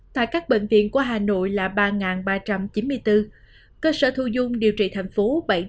tại các bệnh viện của hà nội là ba ba trăm chín mươi bốn cơ sở thu dung điều trị thành phố bảy trăm bốn mươi năm